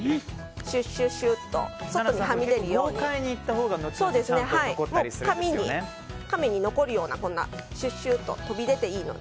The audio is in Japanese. シュッシュッと豪快にいったほうが紙に残るようなシュッシュッと飛び出ていいので。